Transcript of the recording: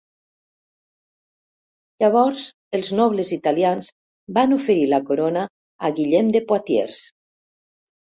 Llavors els nobles italians van oferir la corona a Guillem de Poitiers.